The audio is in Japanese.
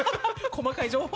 細かい情報。